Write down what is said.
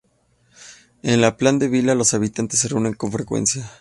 En la Pla de Vila los habitantes se reúnen con frecuencia.